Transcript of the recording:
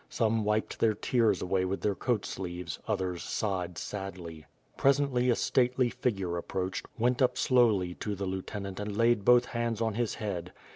Some wiped their tears away with their coat sleeves; others sighed sadly. Presently a stately figure approached, went up slowly to the lieutenant and laid both hands on his head.